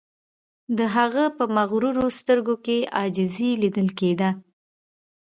د هغه په مغرورو سترګو کې عاجزی لیدل کیده